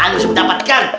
aduh harus mendapatkan